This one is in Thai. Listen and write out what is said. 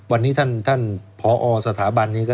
วันนี้ท่านผอสถาบันนี้ก็